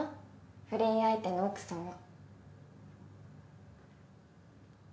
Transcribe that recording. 不倫相手の奥さんは。